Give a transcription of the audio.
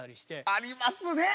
ありますね！